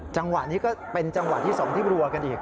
จังหวะนี้ก็เป็นจังหวะที่สองที่รัวกันอีก